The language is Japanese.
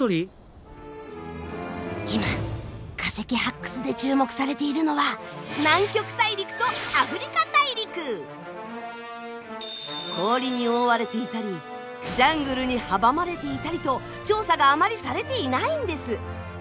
今化石発掘で注目されているのは氷に覆われていたりジャングルに阻まれていたりと調査があまりされていないんです。